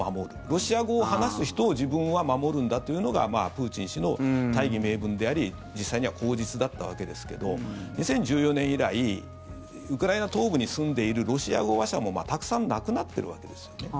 ロシア語を話す人を自分は守るんだというのがプーチン氏の大義名分であり実際には口実だったわけですけど２０１４年以来ウクライナ東部に住んでいるロシア語話者もたくさん亡くなっているわけですよね。